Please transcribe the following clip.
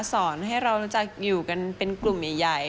สอนให้เรารู้จักอยู่กันเป็นกลุ่มใหญ่